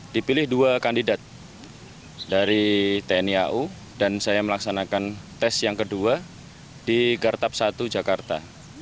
dipilih dua kandidat dari tni au dan saya melaksanakan tes yang kedua di gartap satu jakarta